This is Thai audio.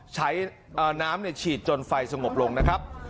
ใช้น้ำฉีดจนไฟสงบลงนะครับ